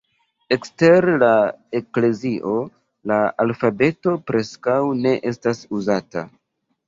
Ekster la eklezio la alfabeto preskaŭ ne estas uzata.